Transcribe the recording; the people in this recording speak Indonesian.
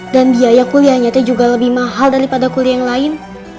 dan biaya kuliahnya teh juga lebih mahal daripada kuliah yang lain